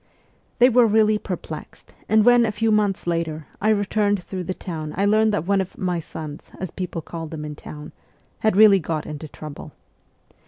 They were really perplexed, and when, a few months later, I returned through the town I learned that one of ' my sons ' as people called them in town had really got into trouble.